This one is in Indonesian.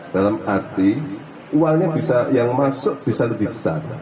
dalam arti uangnya bisa yang masuk bisa lebih besar